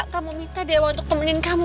kamu minta dewa untuk temenin kamu